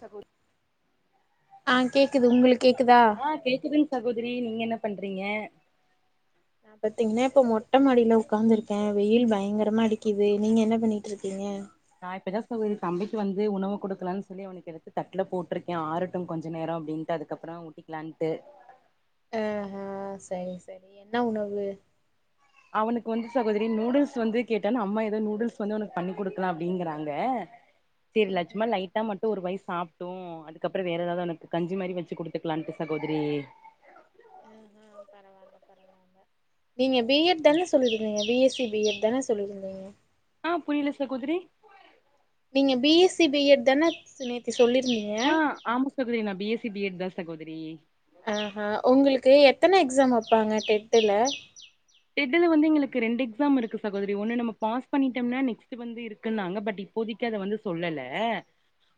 சரிங்க ஆ கேக்குது உங்களுக் கேக்குதா ஆ கேக்குதே சகோதிரி நீங்க என்ன பண்றீங்க நா பாத்தீங்கினா இப்ப மொட்ட மாடில உக்காந்துருக்கே வெயில் பயங்கரமா அடிக்குது நீங்க என்ன பண்ணிட்டு இருக்கீங்க நா இப்பதா தம்பிக்கு வந்து உணவு குடுக்கலானு சொல்லி அவனுக்கு எடுத்து தட்டுல போட்டிருக்கே ஆரட்டு கொஞ்ச நேர அப்பிடின்ட்டு அது அதுக்கப்புற ஊட்டிக்கலான்ட்டு ஆ ஹ சரி சரி என்ன உணவு அவனுக்கு வந்து சகோதரி நூடுல்ஸ் வந்து கேட்டான் அம்மா ஏது நூடுல்ஸ் வந்து அவனுக்கு பண்ணி குடுக்கலா அப்பிடிங்குறாங்க சேரிலா ம் சும்மா ம் லைட்டா மட்டு ஒரு வாய் சாப்டோ அதுக்கப்புற வேற ஏதாவது அவனுக்கு கஞ்சி மாரி வச்சி குடுத்துக்கலாம்ட்டு சகோதிரி நீங்க பிஎட் தானே சொல்லிறிக்கிங்க பிஎஸ்சி பிஎட் தானே சொல்லியிருந்திங்க ஆ புறில சகோதிரி நீங்க பிஎஸ்சி பிஎட் தானே நேத்தி சொல்லியிருந்தீங்க ஆ ஆமா சகோதிரி நா B S C B Ed தா சகோதிரி ஆஹா உங்களுக்கு எத்தன எக்ஸாம் வப்பாங்க டெத்துல டெட்டுல வந்து எங்களுக்கு ரெண்டு எக்ஸாம் இருக்கு சகோதிரி ஒண்ணு நம்ம பாஸ் பண்ணிட்டோம்னா நெக்ஸ்ட்டு வந்து இருக்குன்னாங்க பட் இப்பொதிக்கி அத வந்து சொல்லல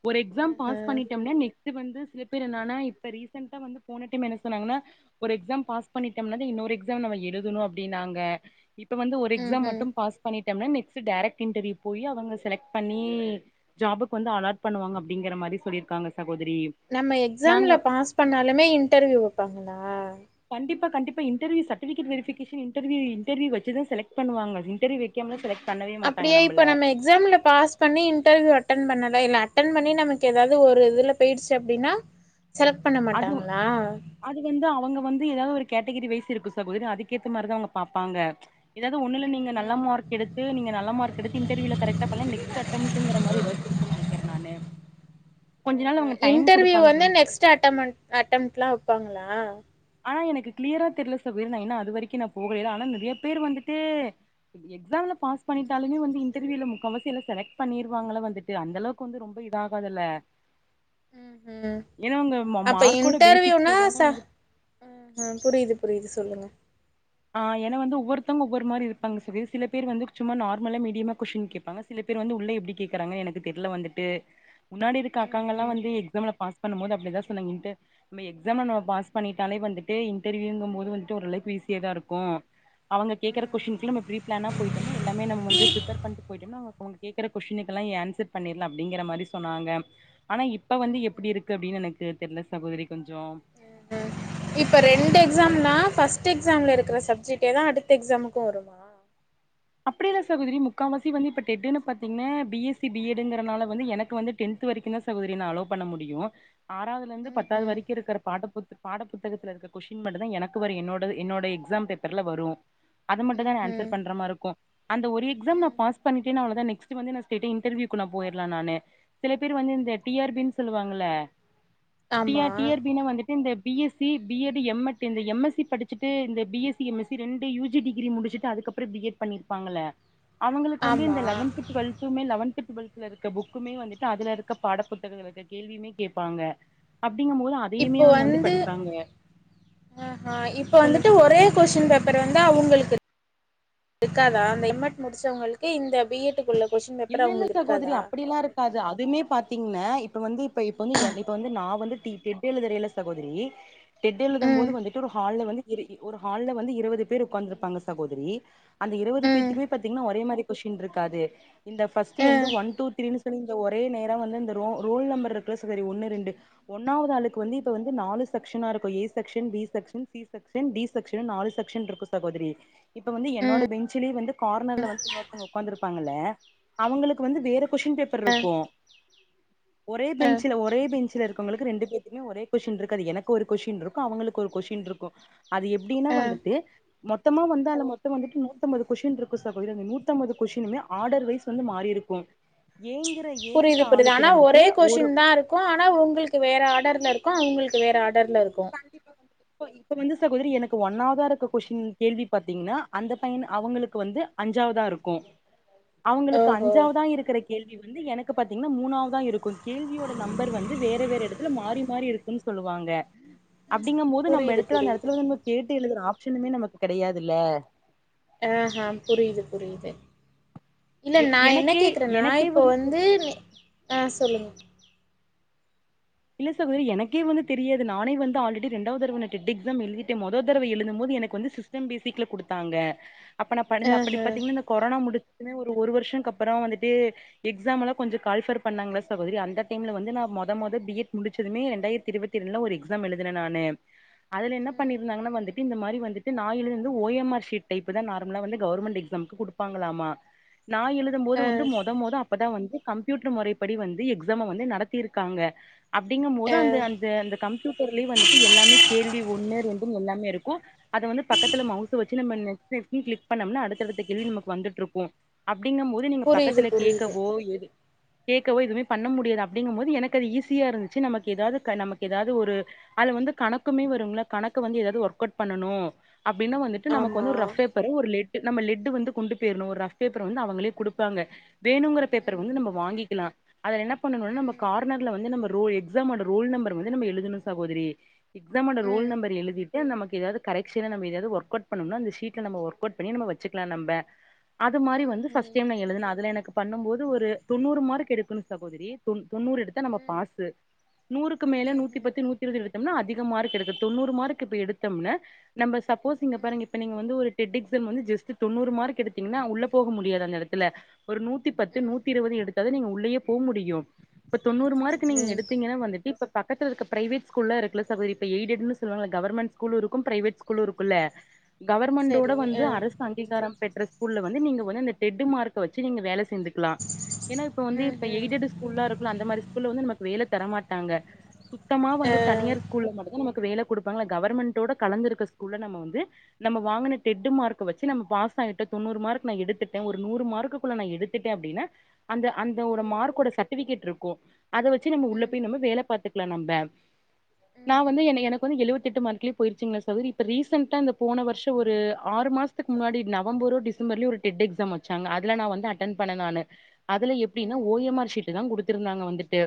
ஒரு எக்ஸாம் ஆஹா பாஸ் பண்ணிட்டோம்னா நெ நெட் வந்து சில பேர் என்னனா இப்ப ரீசெண்டா வந்து போன டைம் என்ன சொன்னாங்கனா ஒரு எக்ஸாம் பாஸ் பண்ணிட்டோம்னா இன்னொரு எக்ஸாம் நம எழுதணு அப் அப்பிடினாங்க இப்ப வந்து ஒரு ம் எக்ஸாம் ம் மட்டும் பாஸ் பண்ணிட்டோம்னா நெக்ஸ்ட் டேரக்ட் இன்டர்வியூ போயி அவங்க செலக்ட் பண்ணி ஜாபுக்கு வந்து அலாட் பண்ணுவாங்க அப்பிடிங்குற மாரி சொல்லிருக்காங்க சகோதிரி நம்ம எக்ஸாம்ல பாஸ் பண்ணாலுமே இன்டர்வியூ வப்பாங்களா கண்டிப்பா கண்டிப்பா interview certificate verification interview interview வச்சி தா செலக்ட் பண்ணுவங்க இன்டர்வியூ வக்காமலா செலக் பண்ணவே மாட்டாங்க அப்டியே இப்ப நம்மள நம்ம எக் எக்ஸாம்ல பாஸ் பண்ணி இன்டர்வியூ அட்டன் பண்ணலாம் இல்ல அட்டன் பண்ணி நமக்கு எதாவது ஒரு இதுல பேயிடுச்சு அப்டின்னா செலக்ட் பண்ண அது மாட்டாங்களா அது வந்து அவங்க வந்து எதாவது ஒரு கேட்டகிரி வைஸ் இருக்கு சகோதரி அதுக்கேத்த மாரிதா அவுங்க பாப்பாங்க ஏதாது ஒண்ணுல நீங்க நல்ல ம்ஹும் மார்க் எடுத்து நீங்க நல்ல மார்க் எடுத்து இன்டர்வியூல கரக்ட்டா பண்ல நெக்ஸ்ட் அட்டம்ட்டுங்குர மாரி எதாச்சு இருக்கு [unintelligible] நெனைக்கிறே நானு கொஞ்ச நாள் ம்ஹும் அவுங்க டைம் இன்டர்வியூ குடுப்பாங்க வந்து நெக்ஸ்ட் அட்டமன் அட்டம்டுலா வப்பாங்களா ஆனா எனக்கு கிளியரா தெர்ல சகோரி ஏன்னா என்ன அது வரைக்கு நா போகலேல ஆனா நெறைய பேரு வந்துட்டு எக்ஸாம்ல பாஸ் ம் பண்ணிட்டாலுமே வந்து இன்டர்வியூல முக்காவாசி எல்லா செலக்ட் பண்ணிருவாங்கள வந்துட்டு அந்தளவுக்கு வந்து ரொம்ப இதாகாதுல்ல ம்ஹும் ஏன்னா உங்க மா மார்க்கோட பேசிக்ஸ் தெரிஞ்சா தான வந்து ஆ ஆ புரியுது புரியுது சொல்லுங்க ஆ ஏன்னா வந்து ஒவ்வொருத்தங்க ஒவ்வொரு மாரி இருப்பாங்க செரியா சில பேர் வந்து சும்மா நார்மல்லா மீடியமா கொஸ்டின் கேப்பாங்க சில பேர் வந்து உள்ள எப்டி கேக்கறாங்க எனக்கு தெர்ல வந்துட்டு முன்னாடி இருக்க அக்காங்கல்லா ம்ஹும் வந்து எக்ஸாம்ல பாஸ் பண்ணும்போது அப்டிதா சொன்னாங்கன்ட்டு நம்ம எக்ஸாம்ல நம்ம பாஸ் பண்ணிட்டாலே வந்துட்டு இன்டர்வியூங்கும் போது வந்துட்டு ஓரளவுக்கு ஈசியா தா இருக்கு அவங்க கேக்கற கொஷ்டின்ஸூ நம்ம ப்ரீ பிளானா போயிட்டோம்னா எல்லாமே நம்ம வந்து ஃபிரிப்பர் பண்ணிட்டு போயிட்டோம்னா அவங்க கேக்குற கொஷ்டினுக்கெல்லா ஏ ஆன்சர் பண்ணிர்லா அப்டிங்கிற மாரி சொன்னாங்க ஆனா இப்ப வந்து எப்டி ம்ஹும் இருக்கு அப்டின்னு எனக்கு தெர்ல சகோதரி கொஞ்சோ ம்ஹும் இப்ப ரெண்டு எக்ஸாம்னா ஃபர்ஸ்ட் எக்ஸாம்ல இருக்குற சப்ஜெக்டே தா அடுத்த எக்ஸாமுக்கு வரு அப்டியில்ல சகோதரி முக்காவாசி வந்து இப்ப டெட் ன்னு பாத்தீங்கன்ன B S C B Ed டு கறனால வந்து எனக்கு வந்து டென்த்து வரைக்கு தா சகோதிரி என்ன அலோ பண்ண முடியு ஆறாவதுலருந்து பத்தாவது ம்ஹும் வரைக்கு இருக்குற பாட புத் பாட புத்தகத்துல இருக்க கொஷ்டின் மட்டுந்தா எனக் கு வரு என்னோடது என்னோட எக்ஸாம் பேப்பர்ல வரு அது மட்டு தா நா ஆன்சர் ம்ஹும் பண்ற மார் அந்த ஒரு எக்ஸாம் நா ம் பாஸ் பண்ணிட்டேன்னா அவள தா நெக்ஸ்டு வந்து நா ஸ்டெய்ட்டா இன்டர்வியூக்குல்ல போயிர்லா நானு சில பேர் வந்து இந்த டி ஆர் பி ன் சொல்லுவாங்கல்ல டி ஆமா ஆர் டி ஆர் பி னா வந்து இந்த B S C B Ed M Ed இந்த எம் எஸ் சி படிச்சிட்டு இந்த B S C M S C ரெண்டு யூ ஜி டிகிரி முடிச்சு டு அதுக்கப்ரோ பி எட் பண்ணிருப்பாங்கள அவ்ங்களுக்கு வந்து ஆமா இந்த லெவன்த் டுவல் துமே லெவென்த் டுவெல்த்ல இருக்க புக்குமே வந்துட்டு அதுலருக்க பாட புத்தகங்கள்ள இருக்க கேள்வியுமே கேப்பாங்க அப்டிங்கும் போது அ இப்போ வந்து ஆஹ இப்ப சொல்லுங்க வந்துட்டு ஒரே சொல்லுங்க கொஸ்டின் பேப் அப்பற வந்து அவுங்களுக்கு [inaudible] இருக்காத அந்த எம் எட் முடிச்சவங்களுக்கு இந்த பி எட் டுக்குள்ள கொஷ்டின் பேப்பர் அவங்ளு இருக்காதா அது அதுமே பாத்தீங்ன்ன இப்ப வந்து இப்ப இப்ப வந்து எ இப்ப வந்து நா வந்து டி டெட் எழுதறையில சகோதிரி டெட் எழுதும் போது ம் வந்துட்டு ஒரு ஹால்ல வந்து இரு ஒரு ஹால்ல வந்து இருவது பேர் உக்காந்துருப்பாங்க சகோதிரி அந்த இருவது ம் பேத்துக்குமே பாத்தீங்கன்னா ஒரே மாரி கொஸ்டின் இருக்காது இந்த ஃபர்ஸ்ட் வந்து ம் ஒன் டூ த்ரீ நீங்க ஒரே நேரா வந்து இந்த ரோ ரோல் நம்பர் இருக்குல சகோதரி ஒன்னு ரெண்டு ஒன்னாவது ஆளுக்கு வந்து இப்ப வந்து நாலு செக்ஷனா இருக்கு A section B section C section then D section நாலு செக்ஷன் இருக்கு சகோதரி இப்ப வந்து என்னோட பெஞ்ச்லே வந்து கார்னர்ல வந்து இன்னொருத்தவங்க உக்காந்துருப்பாங்கல்ல அவுங்களுக்கு வந்து வேற கொஸ்டின் பேப் [unintelligible] ருக்கு ஒரே ம் பெஞ்ச்சுல ஒரே பெஞ்ச்சுல உங்களுக்கு ரெண்டு பேருத்துக்குமே ஒரே கொஷ்டின் இருக்காது எனக்கு ஒரு கொஷ்டின் இருக்கு அவ்ங்களுக்கு ஒரு கொஷ்டின் இருக்கு அது எப்டின்னா ம் வந்துட்டு மொத்தமா வந்தால மொத்தம் வந்துட்டு நூத்தம்பது கொஷ்டின்ருக்கு சகோதரி அந்த நூத்தம்பது கொஸ்டினையுமே ஆர்டர் வைஸ் வந்து மாறிருக்கு ஏங்குற ஏ ங்குற ஆளுக்கு வந்துட்டு ஒரு க்கு ஆனா உங்குளுக்கு வேற ஆர்டர்ல இருக்கு அவுங்களுக்கு வேற ஆர்டர்ல இருக்கு கண்டிப்பா [inaudible] இப்போ இப்ப வந்து சகோதரி எனக்கு ஒன்னாவதா இருக்க கொஷ்டின் கேள்வி பாத்தீங்ன்னா அந்த பைய அவங்களுக்கு வந்து அஞ்சாவதா இருக்கு அவுங்களுக்கு ஓஹோ அஞ்சாவதா இருக்குற கேள்வி வந்து எனக்கு பாத்தீங்ன்னா மூணா வதா இருக்கு கேள்வியோட நம்பர் வந்து வேற வேற எடத்துல மாறி மாறி இருக்குன்னு சொல்லுவாங்க அப்டிங்கம் போது நம்ம புரியுது எடத்துல அந்த புரியுது எடத்துல வந்து நம்ம கேட்டு எழுதுற ஆப்ஷனுமே நமக்கு கெடையாதுல்ல ஆ ஹ புரியுது புரியுது இல்ல எப் நா என்ன எனக்கே கேக்குறன்னா எனக்கே இப்போ வந்து ஆ சொல்லுங்க இல்ல சகோதரி எனக்கே வந்து தெரியாது நானே வந்து ஆல்ரெடி ரெண்டாவது தடவ டெட் எக்ஸாம் எழுதிட்டே மொத தடவ எழுதும் போது எனக்கு வந்து சி ஸ்டம் பேசிக்ல குடுத்தாங்க அப்ப நா பனிந்து அப்படி ஆஹ பாத்தீங்கன்னா கொரோனா முடிச்சதுமே ஒரு ஒரு வருஷன்க்கு அப்புறோ வந்துட்டு எக்ஸாமல்லா கொஞ்ச கால்ஃபர் பண்ணாங்களா சகோதரி அந்த டைம்ல வந்து நா மொத மொத வந்து பி எட் முடிச்சதுமே ரெண்டாயிரத்தி இருவத்தி ரெண்டுல ஒரு எக்ஸாம் எழுதுன நானு அதுல என்ன பண்ணிருந்தாங்கன்ன வந்துட் டு இந்த மாரி வந்துட்டு நா எழுனது O M R sheet type தா நார்மலா வந்து கவர்மெண்ட் எக்ஸாம்க்கு குடுப்பாங்களாமா நா எழு தும் போது ஆ வந்து மொத மொத அப்பதா வந்து கம்ப்யூட்டர் மொறைப்படி வந்து எக்ஸாம வந்து நடத்திருக்காங்க அப்டிங்கும் போது ஆ அந்த அந்த அந்த கம்ப்யூட்டர்லயே வந்துட்டு எல்லாமே கேள்வி ஒன்னு ரெண்டு எல்லாமே இருக்கு அத வந்து பக்கத்துல மவுச வச்சு நம்ம நெட்பிளிக்ஸ்னு கிளிக் பண்ணம்னா அடுத்தடுத்த கேள்வி நமக்கு வந்துட்டு இருக்கு அப்டிங்கம்போது நீங்க புரியுது பக்கத்துல புரியுது கேக்கவோ எது கேக்கவோ எதுமே பண்ண முடியாது அப்டிங்கும் போது எனக்கு அது ஈஸி யா இருந்துச்சு நமக்கு எதாவது நமக்கு எதாவது ஒரு அது வந்து கணக்குமே வருங்ளே கணக்கு வந்து எதாவது ஒர்க் அவுட் பண்ணனு அப்டின்னு வந்துட் டு நமக்கு ஆமா வந்து ஒரு ரஃப் பேப்பரு ஒரு லெட்டு நம்ம லெட்டு் வந்து கொண்டு போயிர்ணு ஒரு ரஃப் பேப்பர் வந்து அவங்களே குடுப்பாங்க வேணுங்குற பேப்பர வந்து நம்ம வாங்கிக்கலா அதுல என்ன பண்ணணும்னா நம்ப கார்னர்ல வந்து நம்ம ரோல் எக்ஸாமோட ரோல் நம்பர் வந்து நம்ம எழுதனு சகோதரி எக்ஸாம்வோடோ ரோல் நம்பர் எழுதிட் டு நமக்கு எதாது கரெக்ஸன நம்ம எதயாவது ஒர்க் அவுட் பண்ணும்னா அ ஷீட்ல நம்மஒர்க் அவுட் பண்ணி நம்ம வச்சிக்கலா நம்ம அது மாரி வந்து ஃபஸ்ட் டைம் நா எழுதுன அதுல எனக்கு பண்ணும் போது ஒரு தொண்ணூறு மார்க் எடுக்கனு சகோதரி தொண் தொண்ணூறு எடுத்த நா பாசு நூறுக்கு மேல நூத்தி பத்து நூத் தி இருவது எடுத்தோம்னா அதிக மார்க் எடுத்து தொண்ணூறு மார்க் இப்ப எடுத்தம்ன நம்ப சப்போஸ் இங்க பாருங்க இப்ப நீங்க வந்து ஒரு டெட் எக்ஸாம் வந்து ஜஸ்ட் தொண்ணூறு மார்க் எடுத்தீங்கன்னா உள்ள போக முடியாது அந்த எடத்துல ஒரு நூத்தி பத்து நூத்தி இருவது எடுத்தா தா நீங்க உள்ளயே போ முடியு இப்ப தொண்ணூறு மார்க் நீங்க எடுத்தீங்கன்னா வந்துட்டு இப்ப பக்கத்துலருக்க பிரைவேட்ஸ் ஸ்கூல்லா இருக்குல்ல சகோதரி இப்ப எயிட்டன்னு சொல்லுவாங்க கவர்மெண்ட் ஸ்கூலு இருக்கு பிரைவேட் ஸ்கூலு இருக்குல்ல கவர்மென்டோட சரி வந்து அ அரசு அங்கீகாரம் பெற்ற ஸ்கூல்ல வந்து நீங்க வந்து அந்த டெட்டு மார்க்க வச்சு நீங்க வேல சேந்து க்லா ஏன்னா இப்ப வந்து இப்ப அ எயடட் ஸ்கூல்லா இருக்குல அந்த மாரி ஸ்கூல்ல வந்து நமக்கு வேல தரமாட்டாங்க சுத்தமா வந்து தனியார் ஸ்கூல்ல மட்டு தா நமக்கு வேல குடுப்பாங்கள கவர்மென்ட்டோட கலந்துருக்க ஸ்கூல்ல நம்ம வந்து நம்ம வாங்குன டெட் மார்க்க வச்சு நம்ம பாஸ் ஆய்ட்ட தொண்ணூறு மார்க் நா எடுத்துட்டே ஒரு நூறு மார்க்குள்ள நா எடுத்து எடுத்துட்டே அப்டின்னா அந்த அந்த ஒரு மார்க்கோட சர்டிஃபிகேட் இருக்கு அத வச் சி நம்ம உள்ள போய் நம்ம வேல பாத்துக்கலா நம்ப நா வந்து எனக்கு வந்து எழுவத்தெட்டு மார்க்குல போயிருச்சுங்களா சகோதரி இப்ப ரீசெண்டா இந்த போன வருஷோ ஒரு ஆறு மாசத்துக்கு முன்னாடி நவம்பரோ டிசம்பர்லயோ ஒரு டெட் எக்ஸாம் வச்சாங்க அதுல நா வந்து அட்டன் பண்ண நானு அதுல எப்டின்னா ஓ எம் ஆர் ஷீட் தா குடுத்திருந்தாங்க வந்துட்டு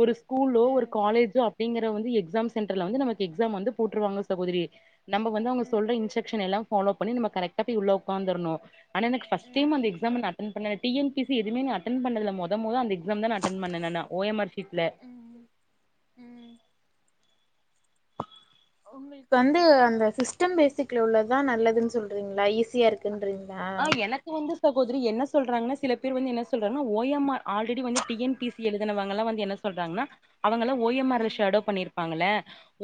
ஒரு ஸ்கூலோ ஒரு காலேஜோ அப்டிங்கற வந்து எக்ஸாம் சென்டர்ல வந்து நமக்கு எக்ஸாம் வந்து போட்டுருவாங்க சகோதரி நம்ப வந்து அவுங்க சொல்ற இன்ஸ்ரக்ஷன் எல்லா ஃபாலோ பண்ணி நம்ம கரக்டா போய் உள்ள உக்காந்துருணு ஆனா எனக்கு ஃபர்ஸ் டைம் அந்த எக்ஸாம் நா அட் அட்டன் பண்ணல டி என் பி ஸி எதுமே அட்டன் பண்ணதுல மொத மொத அந்த எக்ஸாம் தா அட்டன் பண்ணே நானு ஓ எம் ஆர் ஷீட்ல ஒங்களுக்கு வந்து அந்த சிஸ்டம் பேசிக்ல உள்ளது தா நல்லதுன்னு சொல்றீங்களா ஈஸியா இருக்கு குன்றீங்களா ஆ எனக்கு வந்து சகோதரி என்ன சொல்றாங்கன்னா சில பேர் வந்து என்ன சொல்றாங்க ஓ எம் ஆர் ஆல்ரெடி வந்து டி என் பி சி எழுதுனவங்களா என்ன சொல்றாங்கன்னா அவங்கள ஓ எம் ஆர் ஷேடோ பண்ணிருப்பாங்கள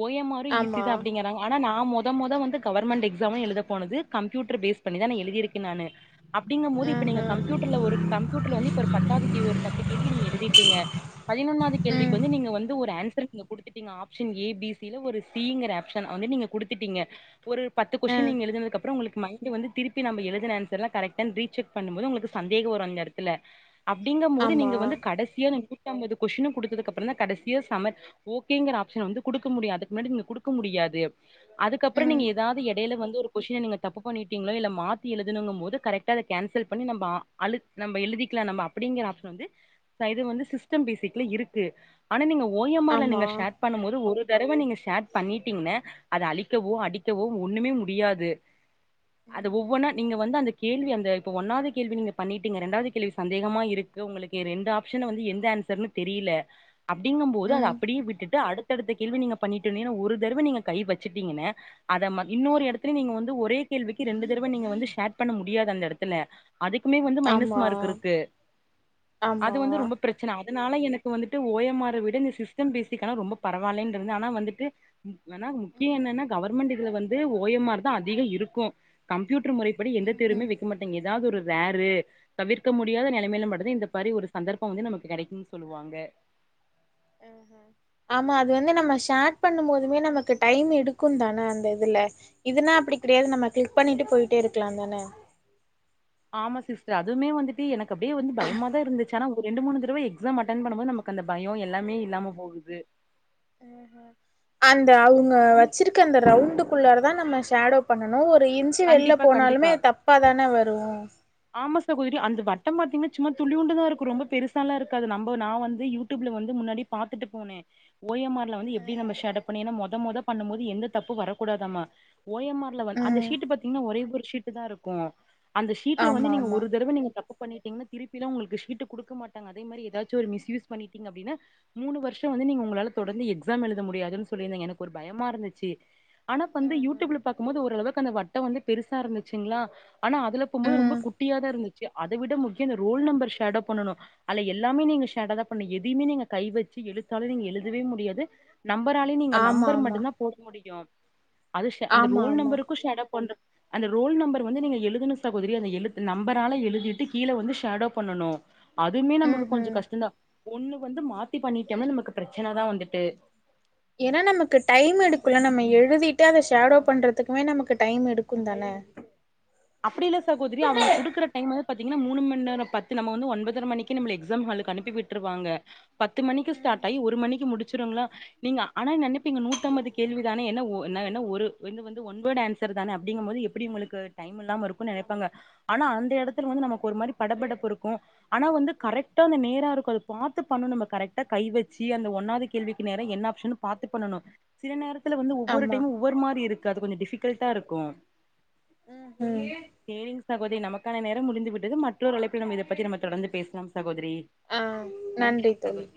ஓ எம் ஆர்ம் ஈசி ஆமா தா அப்டிங்க தாங்க ஆனா நா மெத மெத வந்து கவர்மெண்ட் எக்ஸாம் எழுத போனது கம்ப்யூட்டர் பேஸ் பண்ணிதான எழுதிருக்கே நானு அப்டிங்கூ போது இப்ப நீங்க ஆஹா கம்யூட்டர்ல ஒரு கம்ப்யூட்டர்ல வந்து இப்ப ஒரு பத்தாவது கே ஒரு பத்து கேள்வி நீங்க எழுதிர்கீங்க பதினொன்னாது கேள்விக்கு ம் வந்து நீங்க வந்து ஒரு ஆன்சர் நீ குடுத்துட்டீங்க ஆப்ஷன் ஏ பி சில ஒரு சிங்கிற ஆப்ஷன வந்து நீங்க குடுத்துட்டீங்க ஒரு பத்து ஆ கொஷின் நீங்க எழுதினது அப்பறொ உங்ளுக்கு மைன்ட் வந்து திருப்பி நம்ம எழுதின ஆன்சர்லா கரெக்டானு ரீ செக் பண்ணுபொது உங்ளுக்கு சந்தேகொ வரூ அந்த எடத்துல அப்படிங்க போது ஆமா நீங்க வந்து கடசியா நூத் அம்பது கொஷினு குடுத்ததுக்கப்பறந்தா கடசியா சமர் ஓகேங்கிற ஆப்ஷன் வந்து குடுக்க முடியூ அதுக்கு முன்னாடி நீங்க குடுக்க முடியாது அதுக்கப்பறொ ம் நீங்க ஏதாது எடையில வந்து ஒரு கொஷின நீங்க தப்பு பண்ணிட்டீங்களோ இல்ல மாத்தி எழுதுனுன்னு போது கரெக்டா அத கேன்சல் பண்ணி நம்ம அ அலுத் நம்ம எழுதிக்லா நம்ப அப்பிடிங்கிற ஆப்ஷன் வந்து இது வந்து சிஸ்டம் பேசிக்ல இருக்கு ஆனா நீங்க ஓ எம் ஆர்ல ஆமா நீங்க ஷேர் பண்ணும் போது ஒரு தடவ நீங்க ஷேட் பண்ணிட்டீங்கன்னெ அத அழிக்கவோ அடிக்கவோ ஒன்னுமே முடியாது அத ஒவ்வொன்னா நீங்க வந்து அந்த கேள்வி அந்த இப்ப ஒன்னாது கேள்வி நீங்க பண்ணிட்டீங்க ரெண்டாது கேள்வி சந்தேகமா இருக்கு ஒங்களுக்கு ரெண்டு ஆப்ஷன் வந்து எந்த ஆன்சர்ன்னு தெரில அப்டிங்கு போது அத அப்டியே விட்டுட்டு அடுத் அடுத்தடுத்த கேள்வி நீங்க பன்னிட்டோனே ஒரு தடவ நீங்க கை வச்சுட்டீங்கென்ன அத ம இன்னொரு ம் எடத்துலய நீங்க வந்து ஒரே கேள்விக்கு ரெண்டு தடவ நீங்க வந்து ஷேட் பண்ண முடியாது அந்த எடத்துல அதுக்குமே வந்து மைனஸ் ஆமா மார்க் இருக்கு ஆமா அது வந்து ரொம்ப பிரச்சன அதனால எனக்கு வந்துட்டு ஓ எம் ஆர விட இந்த சிஸ்டம் பேசிக் ஆனா ரொம்ப பரவால்லன்றது ஆனா வந்துட்டு ம் ஆனா முக்கிய ம் என்னன்னா கவர்மெண்ட் இதுல வந்து ஓ எம் ஆர் தா அதிகோ இருக்கூ கம்ப்யூட்டர் முறை படி எந்த ம்ஹும் தேர்வுமே வைக்க மாட்டேங்க ஏதாது ஒரு ரேரு தவிர்க்க முடியாத நெலமையில ம்ஹும் மட்டுந்தா இந்த பாரி ஒரு சந்தர்ப்பொ வந்து நமக்கு கெடைக்குன் சொல்லுவாங்க அ ஹெ ஆமா அது வந்து நம்ம ஷேட் பண்ணூ போதுமே நமக்கு டைம் எடுக்குந் தானே அந்த இதுல இதுனா அப்டி கெடையாது நம்ம கிளிக் பண்ணிட்டு போயிட்டே இருக்லா தானே ஆமா சிஸ்டர் அதுமே வந்துட்டு எனக்கு அப்டியே வந்து பயமாதா இருச்துச்சு ஆனா ஒரு ரெண்டு மூணு தடவ எக்ஸாம் அட்டென் பண்ணுபோது நமக் அந்த பயொ எல்லாமே இல்லாம போகுது அ அந்த அவுங்க வச்சிருக்க அந்த ரவுண்டுக்குள்ளாற தா நம்ம ஷேடோ பண்ணனோ ஒரு இன்ச் சு வெள்ல கண்டிப்பா போனாலுமே கண்டிப்பா தப்ப தானே வரூ ஆமா சகோதிரி அந்த வட்டொ பாத்தீங்ன்னா சும்மா துளியோண்டுதா இருக்கூ ரொம்ப பெருசாலா இருக்காது நம்ப நா வந்து யூ டியூப்ல வந்து முன்னாடி பாத்துட்டு போனே ஓ எம் ஆர்ல வந்து எப்டி நம்ம ம்ஹும் ஷேடப் பண்ணி ஏனா மொத மொத பண்ணும்போது எந்த தப்பு வரக் கூடாதாமா ஓ எம் ஆர்ல வந்து அந்த ம் ஷீட்டு பாத்தீங்ன்னா ஒரே ஒரு ஷீட்டு தா இருக்கூ அந்த ஷீட்ல வந்து ஆமா நீங்க ஆமா ஒரு தடவ நீங்க தப் பு பண்ணிட்டிங்கன்ன திருப்பிலா உங்ளுக்கு ஷீட்டு குடுக்கமாட்டாங்க அதே மாரி எதாச்சூ ஒரு மிஸ்யூஸ் பண்ணிட்டீங்க அப்டின்னா மூணு வருஷொ வந்து நீங்க உங்ளால தொடர்ந்து எக்ஸாம் எழுத முடியாதுன்னு சொல்லிருந்தீங்க எனக்கு ஒரு பயமா இருந்துச்சு ஆனா இப்ப வந்து ம்ஹும் யூடியூப்ல பாக்கூ போது ஓரளவுக்கு அந்த வட்டொ வந்து பெருசா இருந்துச்சுங்ளா ஆனா அதுல போவ்போது ரொம்ப ம் குட்டியா தா இருந்துச்சு அத விட முக்கியொ அந்த ரோல் நம்பர் ஷேடோ பண்ணனு அல்லெ எல்லாமே நீங்க ஷெடோதா பன்னு எதயுமே நீங்க கை வச்சு எழுத்தால நீங்க எழுதவே முடியாது நம்பராலேயு நீங்க ஆமா நம்பர் ஆமா மட்டுந்தா போட முடியு அது அந்த ஆமா ரோல் ஆமா நம்பருக்கூ ஷேடப் பண்ற அந்த ரோல் நம்பரு வந்து நீங்க எழுதனோ சகோதிரி அந்த எழுத் நம்பரால எழுதிட்டு கீழே வந்து ஷேடோ பண்ணனோ அதுமே நமக்கு கொஞ்சொ ம்ஹும் கஷ்டந்தா ஒன்னு வந்து மாத்தி பண்ணிட்டோம்னா நமக்கு பிரச்சன தா வந்துட்டு ஏனா நமக்கு டைம் எடுக்குல நம்ம எழுதிட்டு அத ஷேடோ பண்றதுக்குமே நமக்கு டைம் எடுக்குந்தானே அப்டி இல்ல சகோதிரி அவுங்க குடுக்குற டைம் வந்து பாத்தீங்ன்னா மூனு மண் நேரோ பத் நம்ம வந்து ஒன்பதர மணிக்கு நம்ள எக்ஸாம் ஹாலுக்கு அனுப்பி விட் ருவாங்க பத்து மணிக்கு ஸ்டார்ட் ஆயி ஒரு மணிக்கு முடிஞ்சிருங்ளா நீங்க ஆனா நெனப்பீங்க நூத்தம்பது கேள்விதான என்ன ஒ என்ன என்ன ஒரு வந்து வந்து ஒன் வேர்டு ஆன்ஸ் ஸர் தானே அப்டிங்குபோது எப்டி ஒங்ளுக்கு டைம் இல்லாம இருக்குனு நெனைப்பாங்க ஆனா அந்தஎடத்துல வந்து நமக்கு ஒரு மாரி படப்படப்பு இருக்கோ ஆனா வந்து கரட்டா அந்த நேரா இருப்பது பாத்து பன்னனோ நம்ம கரட்டா கை வெச்சி அந்த ஒன்னாது கேள்விக்கு நேரா என்ன ஆப்ஷன் பாத்து பண்ணணு சில நேரத்துல வந்து ஒவ்வோரு ஆமா டைமு ஒவ்வோரு மாரி இருக்கு அது கொஞ்ச டிஃபிகல்ட்டா இருக்கோ ம் கேலுங்க சகோதரி நமக்கான நேரம் முடிந்து விட்டது மற்றொரு அழைப்பில் நம இத பத்தி நம்ம தொடர்ந்து பேச லாம் சகோதிரி ஆ நன்றி தோழி